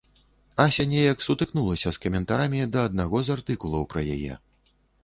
Ася неяк сутыкнулася з каментарамі да аднаго з артыкулаў пра яе.